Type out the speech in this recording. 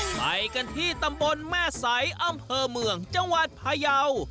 ไปกันที่ตำบลแม่ใสอำเภอเมืองจังหวัดพยาว